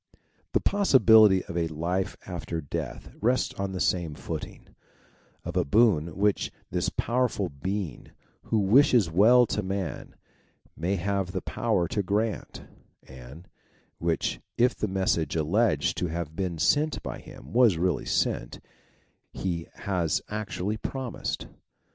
The pos sibility of a life after death rests on the same footing of a boon which this powerful Being who wishes 244 THEISM well to man, may have the power to grant, and which if the message alleged to have been sent by him was really sent, he has actually promised.